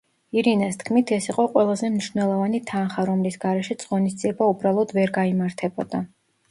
ირინას თქმით, ეს იყო ყველაზე მნიშვნელოვანი თანხა, რომლის გარეშეც ღონისძიება უბრალოდ ვერ გაიმართებოდა.